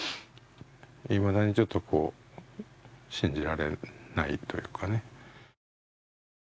いまだにちょっと信じられないというかね。